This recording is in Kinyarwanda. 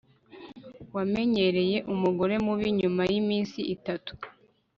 Wamenyereye umugore mubi nyuma yiminsi itatu